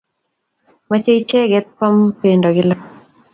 Machame icheket kwame pendo gila